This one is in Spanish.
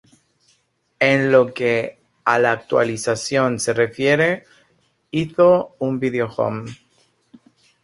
En lo que a la actuación se refiere, hizo un video-home.